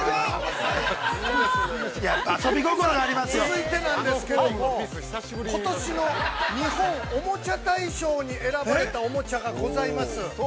◆続いてなんですけども、ことしの、日本おもちゃ大賞に選ばれたおもちゃがございます。